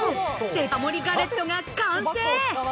デカ盛りガレットが完成。